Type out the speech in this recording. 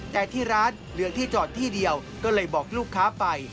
แต่ที่ร้านเหลือที่จอดที่เดียวก็เลยบอกลูกค้าไป